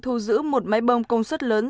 thu giữ một máy bông công suất lớn